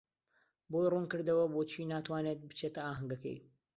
بۆی ڕوون کردەوە بۆچی ناتوانێت بچێتە ئاهەنگەکەی.